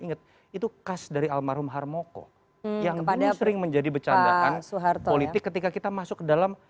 inget itu khas dari almarhum harmoko yang sering menjadi bercandaan suhartol ketika kita masuk dalam